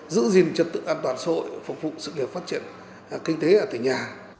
giữ gìn trật tự an toàn xã hội phục vụ sự nghiệp phát triển kinh tế ở tỉnh nhà